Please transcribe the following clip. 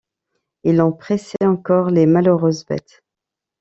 Et l’on pressait encore les malheureuses bêtes.